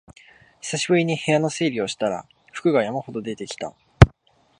久しぶりに部屋の整理をしたら服が山ほど出てきた